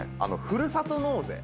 ふるさと納税。